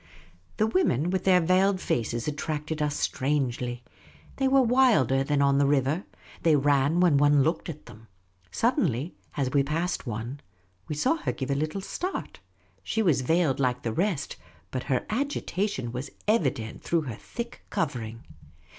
The women with their veiled faces attracted us strangely. They were wilder than on the river. They ran when one looked at them. Suddenly, as we passed one, we saw her give a little start. She was veiled like the rest, but her agi tation was evident through her thick covering.